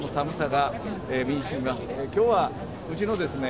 今日はうちのですね